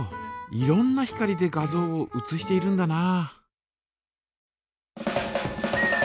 いろんな光で画像を写しているんだな。